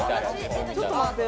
ちょっと待って。